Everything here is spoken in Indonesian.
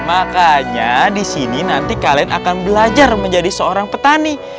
makanya disini nanti kalian akan belajar menjadi seorang petani